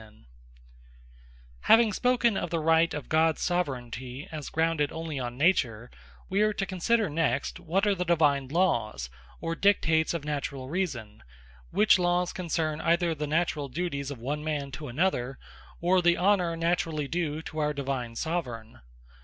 Divine Lawes Having spoken of the Right of Gods Soveraignty, as grounded onely on Nature; we are to consider next, what are the Divine Lawes, or Dictates of Naturall Reason; which Lawes concern either the naturall Duties of one man to another, or the Honour naturally due to our Divine Soveraign.